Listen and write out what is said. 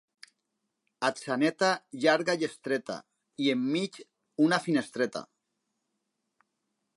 Atzeneta, llarga i estreta i en mig una finestreta.